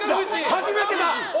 初めてだ！